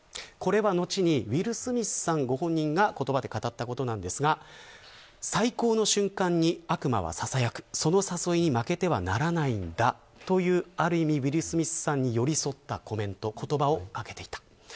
これは後にウィル・スミスさん、ご本人が言葉で語ったことなんですが最高の瞬間に悪魔はささやくその誘いに負けてはならないんだというある意味ウィル・スミスさんに寄り添った言葉をかけていた。